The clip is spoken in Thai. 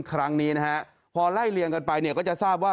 ครั้งนี้นะฮะพอไล่เลี่ยงกันไปเนี่ยก็จะทราบว่า